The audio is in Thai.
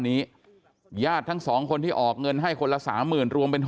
นี้ญาติทั้งสองคนที่ออกเงินให้คนละ๓๐๐๐๐บาทรวมเป็น๖๐๐๐๐